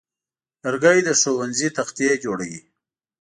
لرګی د ښوونځي تختې جوړوي.